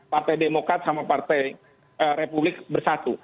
partai demokrat sama partai republik bersatu